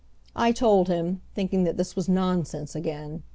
I told him, thinking that this was nonsense again.